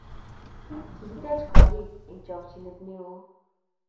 Kikitech koriik eng' chokchinet neoo